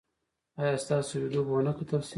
ایا ستاسو ویډیو به و نه کتل شي؟